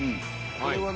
あれはね